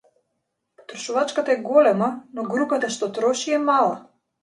Потрошувачката е голема, но групата што троши е мала.